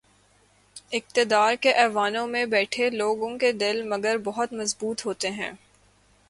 اقتدار کے ایوانوں میں بیٹھے لوگوں کے دل، مگر بہت مضبوط ہوتے ہیں۔